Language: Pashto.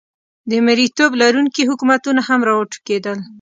د مریتوب لرونکي حکومتونه هم را وټوکېدل.